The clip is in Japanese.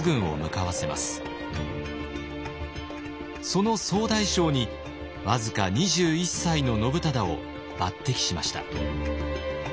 その総大将に僅か２１歳の信忠を抜擢しました。